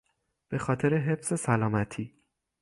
به خاطر حفظ سلامتی